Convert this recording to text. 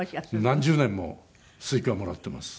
何十年もスイカもらってます。